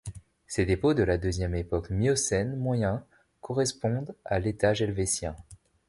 Ces dépôts de la deuxième époque miocène moyen correspondent à l'étage helvétien.